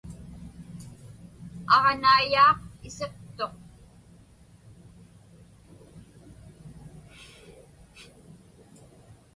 Aġnaiyaaq isiqtuq.